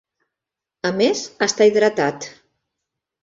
A més està hidratat.